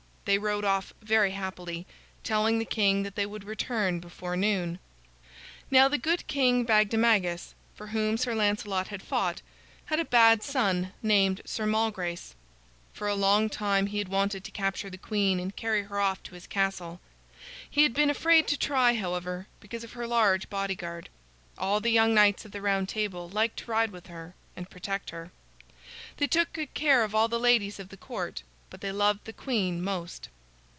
They rode off very happily, telling the king that they would return before noon. Now the good King Bagdemagus, for whom Sir Lancelot had fought, had a bad son named Sir Malgrace. For a long time he had wanted to capture the queen and carry her off to his castle. He had been afraid to try, however, because of her large bodyguard. All the young knights of the Round Table liked to ride with her and protect her. They took good care of all the ladies of the Court, but they loved the queen most.